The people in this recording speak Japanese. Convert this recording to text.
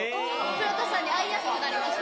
古田さんに会いやすくなりました。